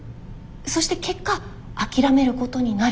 そして結果諦めることになる。